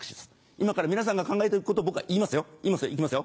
今から皆さんが考えてることを僕は言いますよ行きますよ。